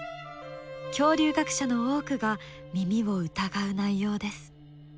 恐竜学者の多くが耳を疑う内容です。